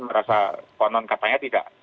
merasa konon katanya tidak